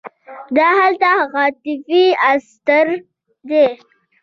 دا حالت عاطفي اسارت دی.